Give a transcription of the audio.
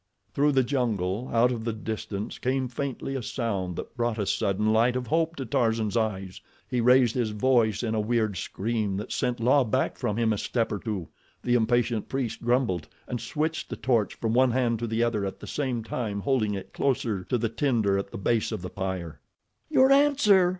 Through the jungle, out of the distance, came faintly a sound that brought a sudden light of hope to Tarzan's eyes. He raised his voice in a weird scream that sent La back from him a step or two. The impatient priest grumbled and switched the torch from one hand to the other at the same time holding it closer to the tinder at the base of the pyre. "Your answer!"